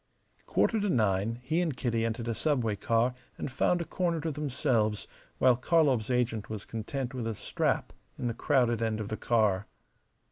Quarter to nine he and Kitty entered a subway car and found a corner to themselves, while Karlov's agent was content with a strap in the crowded end of the car.